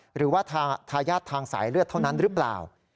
หรือว่าทายาททางสายเลือดเท่านั้นหรือเปล่า